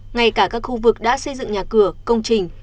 ngay cả các khu vực đã xây dựng nhà cửa công trình